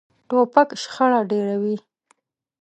توپک شخړه ډېروي.